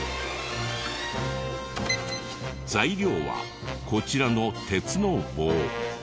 材料はこちらの鉄の棒。